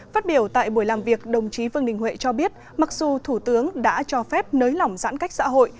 phát biểu tại buổi làm việc đồng chí vương đình huệ cho biết mặc dù thủ tướng đã cho phép nới lỏng giãn cách xã hội